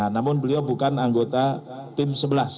namun beliau bukan anggota tim sebelas